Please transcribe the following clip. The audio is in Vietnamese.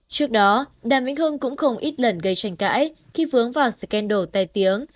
trước đó đàm vĩnh hương cũng không ít lần gây tranh cãi khi vướng vào scandal tay tiếng